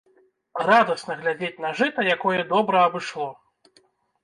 Радасна глядзець на жыта, якое добра абышло.